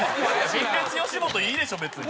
ＢＳよしもといいでしょ別に。